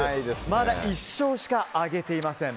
まだ１勝しか挙げていません。